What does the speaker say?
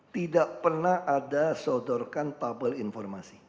tidak pernah ada sodorkan tabel informasi